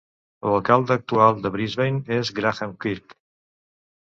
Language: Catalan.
L'alcalde actual de Brisbane és Graham Quirk.